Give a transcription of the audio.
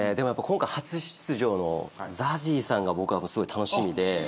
今回初出場のＺＡＺＹさんが僕はすごい楽しみで。